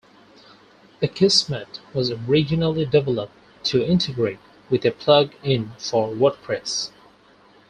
Akismet was originally developed to integrate with a plug-in for WordPress.